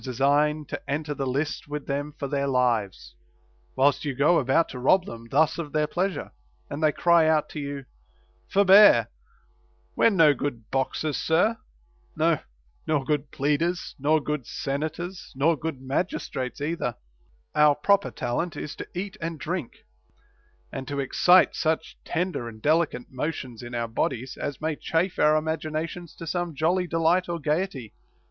159 design to enter the list with them for their lives, whilst you go about to rob them thus of their pleasure, and they cry out to you, " Forbear, we're no good boxers, sir ; no, nor good pleaders, nor good senators, nor good magis trates either ; Our proper talent is to eat and drink,* and to excite such tender and delicate motions in our bodies as may chafe our imaginations to some jolly delight or gayety."